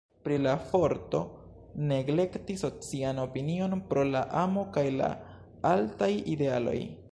Pri la forto neglekti socian opinion pro la amo kaj la altaj idealoj.